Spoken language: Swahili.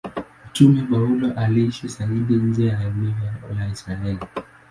Mtume Paulo aliishi zaidi nje ya eneo la Israeli.